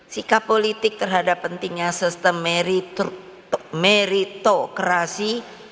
sikap politik terhadap pentingnya sistem meritokrasi